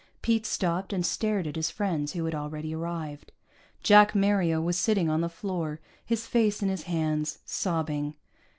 Pete stopped and stared at his friends who had already arrived. Jack Mario was sitting on the floor, his face in his hands, sobbing.